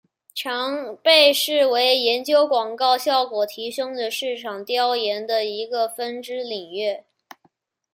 常被视为研究广告效果提升的市场调研的一个分支领域。